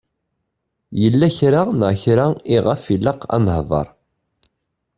Yella kra neɣ kra iɣef ilaq ad nehder.